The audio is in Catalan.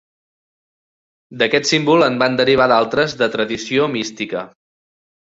D'aquest símbol en van derivar d'altres de tradició mística.